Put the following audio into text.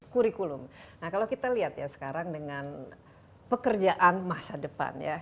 kurikulum nah kalau kita lihat ya sekarang dengan pekerjaan masa depan ya